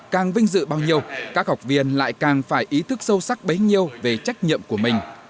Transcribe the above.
càng vinh dự bao nhiêu các học viên lại càng phải ý thức sâu sắc bấy nhiêu về trách nhiệm của mình